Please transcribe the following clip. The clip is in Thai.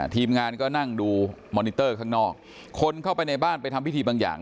ทีมงานก็นั่งดูมอนิเตอร์ข้างนอกคนเข้าไปในบ้านไปทำพิธีบางอย่าง